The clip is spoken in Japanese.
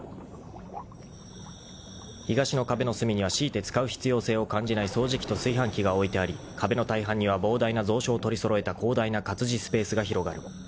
［東の壁の隅には強いて使う必要性を感じない掃除機と炊飯器が置いてあり壁の大半には膨大な蔵書を取り揃えた広大な活字スペースが広がる］